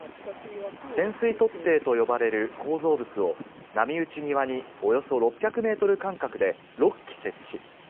潜水突堤と呼ばれる構造物を波打ち際におよそ６００メートル間隔で６基設置。